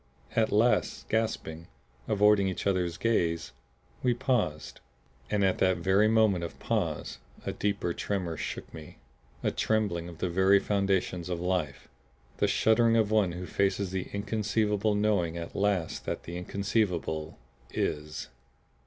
At last, gasping, avoiding each other's gaze, we paused. And at that very moment of pause a deeper tremor shook me, a trembling of the very foundations of life, the shuddering of one who faces the inconceivable knowing at last that the inconceivable IS.